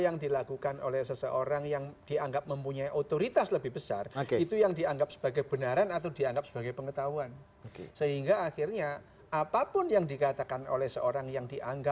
narasi itu dibangun elit yang harusnya